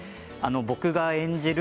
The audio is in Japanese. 僕が演じる